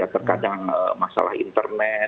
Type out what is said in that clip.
terkadang masalah internet